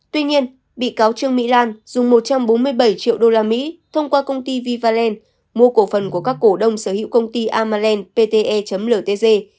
tuy nhiên bị cáo trương mỹ lan dùng một trăm bốn mươi bảy triệu đô la mỹ thông qua công ty vivalen mua cổ phần của các cổ đông sở hữu công ty amalen pte ltg